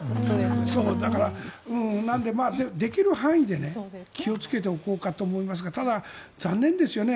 だから、できる範囲で気をつけておこうかと思いますがただ、残念ですよね。